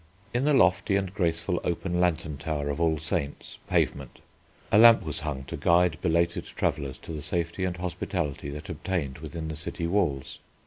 In the lofty and graceful open lantern tower of All Saints, Pavement, a lamp was hung to guide belated travellers to the safety and hospitality that obtained within the city walls.